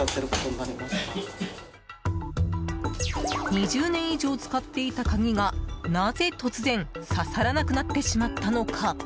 ２０年以上使っていた鍵がなぜ、突然ささらなくなってしまったのか。